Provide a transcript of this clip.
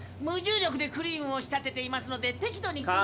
無重力でクリームを仕立てていますので適度に。